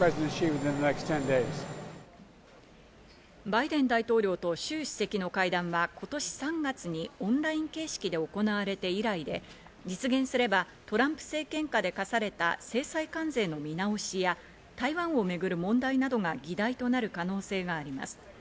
バイデン大統領とシュウ主席の会談は今年３月にオンライン形式で行われて以来で、実現すれば、トランプ政権下で課された制裁関税の見直しや、台湾をめぐる問題などが議題となる可能性があります。